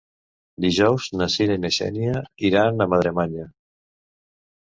Dijous na Cira i na Xènia iran a Madremanya.